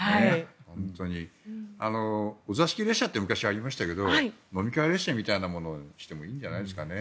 お座敷列車というのが昔、ありましたけど飲み会列車みたいなものにしてもいいんじゃないですかね。